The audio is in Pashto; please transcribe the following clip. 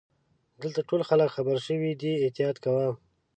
دلته ټول خلګ خبرشوي دي احتیاط کوه.